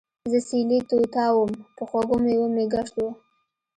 زۀ سېلي طوطا ووم پۀ خوږو مېوو مې ګشت وو